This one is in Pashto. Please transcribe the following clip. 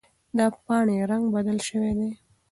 د پاڼې رنګ بدل شوی دی.